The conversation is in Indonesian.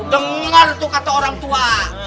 dengar tuh kata orang tua